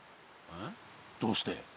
えどうして？